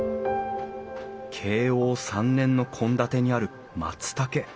慶応３年の献立にある松たけ。